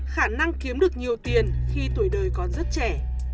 khả năng kiếm được nhiều tiền khi tuổi đời còn rất trẻ